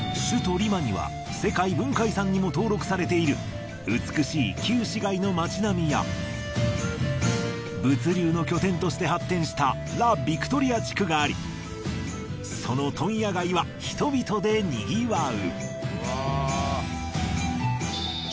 リマには世界文化遺産にも登録されている美しい旧市街の町並みや物流の拠点として発展したその問屋街は人々でにぎわう。